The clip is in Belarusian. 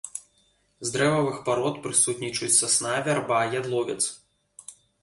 З дрэвавых парод прысутнічаюць сасна, вярба, ядловец.